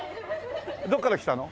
どこから来たの？